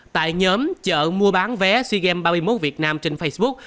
tại nhóm chợ mua bán vé seagame ba mươi một việt nam trên facebook